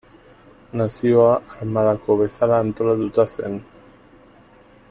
Nazioa armadako bezala antolatuta zen.